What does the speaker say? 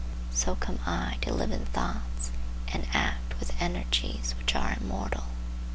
So come I to live in thoughts and act with energies which are immortal.